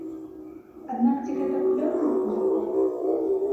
Аднак ці гэта плённы падыход?